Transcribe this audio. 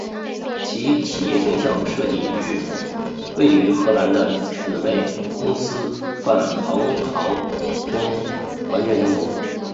其企业形象设计与位于荷兰的姊妹公司泛航航空完全相同。